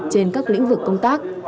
trên các lĩnh vực công tác